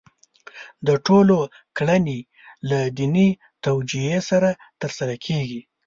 د ټولو کړنې له دیني توجیه سره ترسره کېږي.